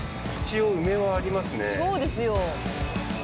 そうですよ。